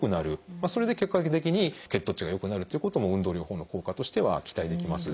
それで結果的に血糖値が良くなるっていうことも運動療法の効果としては期待できます。